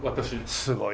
すごい。